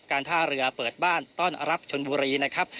ท่าเรือเปิดบ้านต้อนรับชนบุรีนะครับ